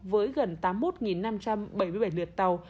với gần tám mươi một năm trăm bảy mươi bảy lượt tàu